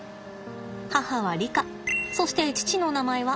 母はリカそして父の名前はアフ。